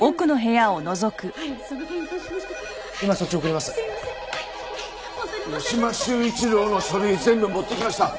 屋島修一郎の書類全部持ってきました。